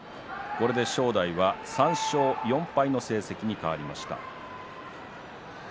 正代は３勝４敗の成績に変わりました。